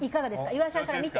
岩井さんから見て。